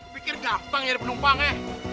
pikir gampang nyari penumpang ya